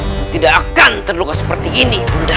tidak akan terluka seperti ini bunda